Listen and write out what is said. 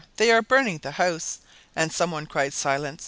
they are burning the house!" And some one cried "Silence!